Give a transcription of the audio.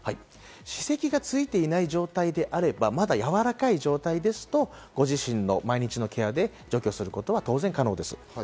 歯石がついていない状態であれば、まだやわらかい状態ですと、ご自身の毎日のケアで除去することは当然可能です。